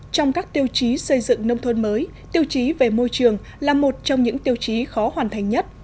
trong các tiêu chí xây dựng nông thôn mới tiêu chí về môi trường là một trong những tiêu chí khó hoàn thành nhất